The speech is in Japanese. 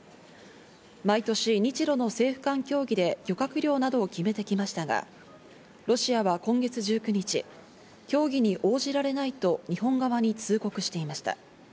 毎年、日露の政府間協議で漁獲量などを決めてきましたが、ロシアは今月１９日、協議に応じられないと日本側に通告していました。